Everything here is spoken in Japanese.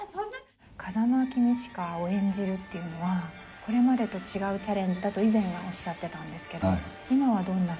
風間公親を演じるっていうのはこれまでと違うチャレンジだと以前はおっしゃってたんですけど今はどんなふうに捉えて。